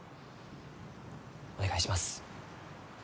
お願いします。